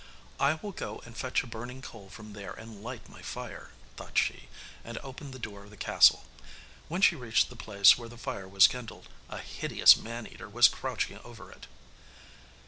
'I will go and fetch a burning coal from there and light my fire,' thought she, and opened the door of the castle. When she reached the place where the fire was kindled, a hideous man eater was crouching over it.